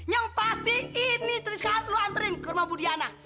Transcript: yang pasti ini teruskan lu antrin ke rumah bu diana